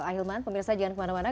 ahilman pemirsa jangan kemana mana